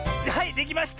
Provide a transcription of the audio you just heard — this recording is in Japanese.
できました！